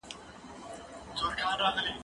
زه هره ورځ نان خورم